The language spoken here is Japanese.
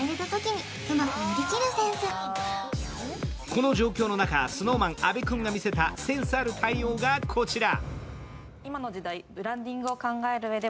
この状況の中、ＳｎｏｗＭａｎ・阿部君が見せたセンスある対応がこちら。